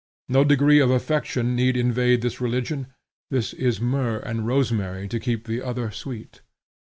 No degree of affection need invade this religion. This is myrrh and rosemary to keep the other sweet.